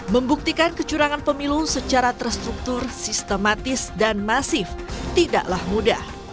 membuktikan kecurangan pemilu secara terstruktur sistematis dan masif tidaklah mudah